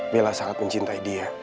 bella sangat mencintai dia